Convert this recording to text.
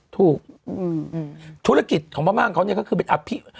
ถูกธุรกิจของพม่าของเขาเนี่ยก็คือเป็นอภิ